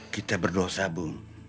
kita berdosa bu